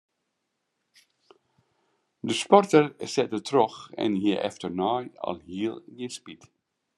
De sporter sette troch en hie efterôf alhiel gjin spyt.